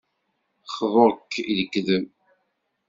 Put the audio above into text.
Xḍu-k i lekdeb.